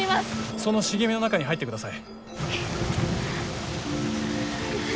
その茂みの中に入ってください。